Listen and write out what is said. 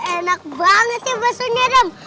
enak banget ya b tw nya dem